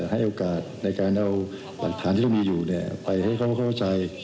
ให้โอกาสในการเอาหลักฐานที่เรามีอยู่ไปให้เขาเข้าใจ